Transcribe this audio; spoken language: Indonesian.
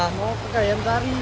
mau ke kayam sari